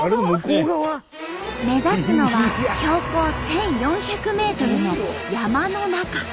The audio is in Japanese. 目指すのは標高１，４００ｍの山の中。